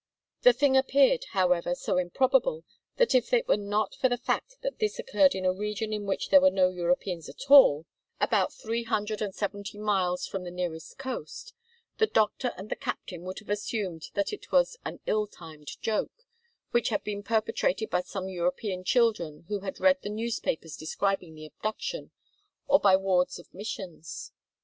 The thing appeared, however, so improbable that if it were not for the fact that this occurred in a region in which there were no Europeans at all about three hundred and seventy five miles from the nearest coast the doctor and the captain would have assumed that it was an ill timed joke, which had been perpetrated by some European children who had read the newspapers describing the abduction, or by wards of missions.